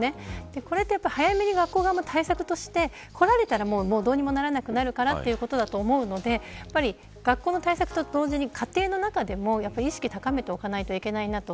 これは、早めに学校側も対策をして、来られたらどうにもならなくなるからということだと思うんで学校の対策と同時に家庭の中でも意識を高めておかないといけないなと。